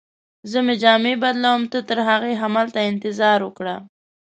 زه مې جامې بدلوم، ته ترهغې همدلته انتظار وکړه.